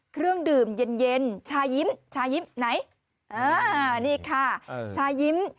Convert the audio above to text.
เครื่องดื่มเย็นเย็นชายิ้มชายิ้มไหนอ่านี่ค่ะชายิ้ม